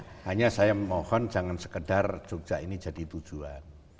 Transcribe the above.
hanya saya mohon jangan sekedar jogja ini jadi tujuan